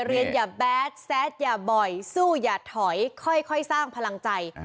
อย่าแบดแซดอย่าบ่อยสู้อย่าถอยค่อยสร้างพลังใจ